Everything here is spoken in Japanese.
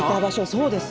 そうです！